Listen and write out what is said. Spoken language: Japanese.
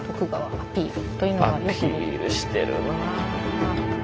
アピールしてるなあ。